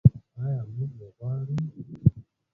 آیا موږ یې غواړو؟